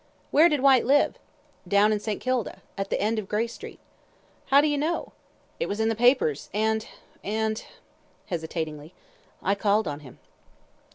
"Where did Whyte live?" "Down in St. Kilda, at the end of Grey Street." "How do you know?" "It was in the papers, and and " hesitatingly, "I called on him."